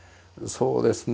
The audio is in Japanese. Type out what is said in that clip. そうですね